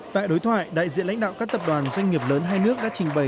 tại đối thoại đại diện lãnh đạo các tập đoàn doanh nghiệp lớn hai nước đã trình bày